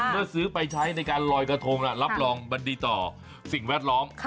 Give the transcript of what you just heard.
เมื่อซื้อไปใช้ในการลอยกระทงรับรองมันดีต่อสิ่งแวดล้อม